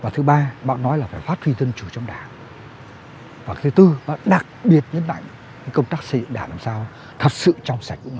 thứ hai đảng phải nêu cao